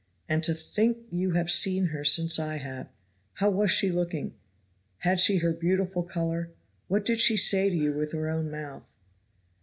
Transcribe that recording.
And to think you have seen her since I have; how was she looking; had she her beautiful color; what did she say to you with her own mouth?"